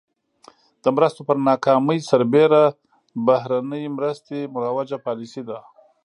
د مرستو پر ناکامۍ سربېره بهرنۍ مرستې مروجه پالیسي ده.